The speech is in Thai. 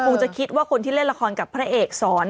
คงจะคิดว่าคนที่เล่นละครกับพระเอกสอน